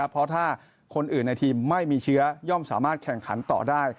เพราะถ้าคนอื่นในทีมไม่มีเชื้อย่อมสามารถแข่งขันต่อได้